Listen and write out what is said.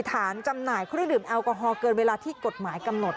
จำหน่ายเครื่องดื่มแอลกอฮอลเกินเวลาที่กฎหมายกำหนด